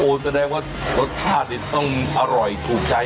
โอ้แสดงว่ารสชาติต้องอร่อยถูกใจ